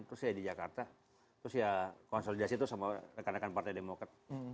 terus saya di jakarta terus ya konsolidasi tuh sama rekan rekan partai demokrat